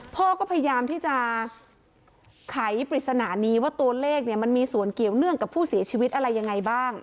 พ่อก็พยายามที่จะไขปริศนานี้ว่าตัวเลขเนี่ยมันมีส่วนเกี่ยวเนื่องกับผู้เสียชีวิตอะไรยังไงบ้าง